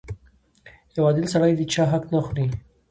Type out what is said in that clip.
• یو عادل سړی د چا حق نه خوري.